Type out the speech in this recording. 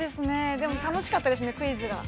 でも、楽しかったですね、クイズが。